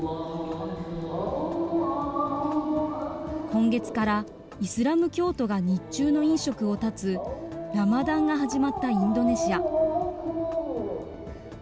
今月から、イスラム教徒が日中の飲食を断つラマダンが始まったインドネシア。